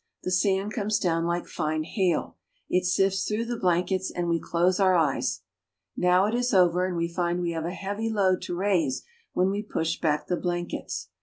The sand comes down like fine hail. It sifts through the blankets, and we close our eyes. Now it is over, and we find we have a heavy load to raise when we push back the blankets.